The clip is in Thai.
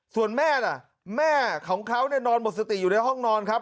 ส่วนแม่ล่ะแม่ของเขาเนี่ยนอนหมดสติอยู่ในห้องนอนครับ